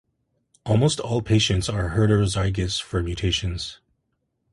Almost all patients are heterozygous for mutations.